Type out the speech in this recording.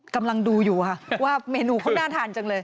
กำลังดูอยู่ค่ะว่าเมนูเขาน่าทานจังเลย